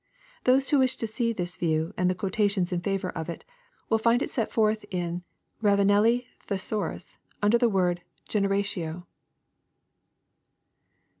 Those who wish to see this view, and the quotations in fiivor of if, will find it set forth in Ravanelli Thesaurus, under the word " generatio."